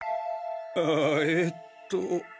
あえっと。